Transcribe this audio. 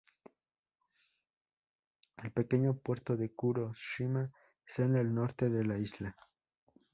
El pequeño puerto de Kuro-shima está en el norte de la isla.